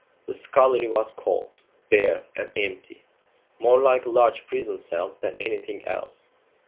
The scullery was cold, bare, and empty; more like a large prison cell than anything else.